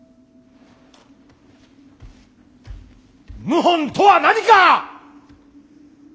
謀反とは何か！